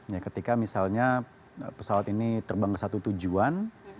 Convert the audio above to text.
ya ketika misalnya pesawat ini terbang ke satu tujuan